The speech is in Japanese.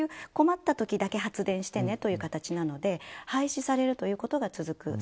困ったときだけ発電してねという形なので廃止されるということが続く